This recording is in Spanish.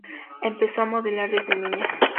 Empezó a modelar desde niña.